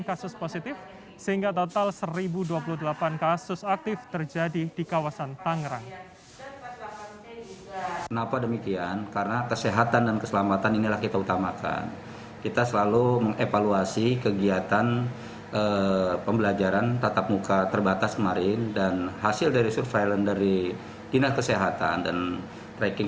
satu ratus sembilan kasus positif sehingga total seribu dua puluh delapan kasus aktif terjadi di kawasan tangerang